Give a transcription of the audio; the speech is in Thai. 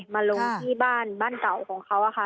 มาลงที่บ้านบ้านเก่าของเขาค่ะ